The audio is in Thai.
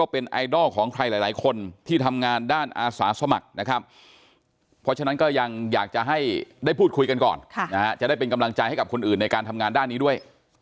เพราะฉะนั้นก็ยังอยากจะให้ได้พูดคุยกันก่อนจะได้เป็นกำลังใจให้กับคนอื่นในการทำงานด้านนี้ด้วย